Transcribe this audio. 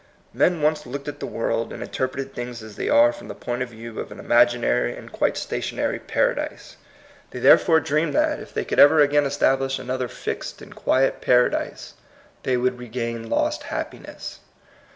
Men once looked at the world, and interpreted things as they are from the point of view of an imaginary and quite sta tionary Paradise. They therefor© dreamed 68 THE COMING PEOPLE. that, if they could ever again establish another fixed and quiet Paradise, they would regain lost happiness.